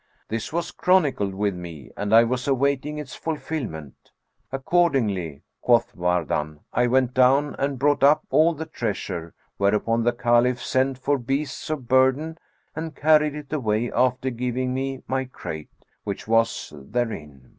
This was chronicled with me and I was awaiting its fulfilment.'[FN#437] Accordingly (quoth Wardan) I went down and brought up all the treasure, whereupon the Caliph sent for beasts of burden and carried it away, after giving me my crate, with what was therein.